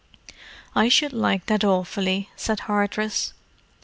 "I should like that awfully," said Hardress.